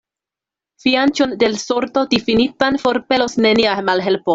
Fianĉon de l' sorto difinitan forpelos nenia malhelpo.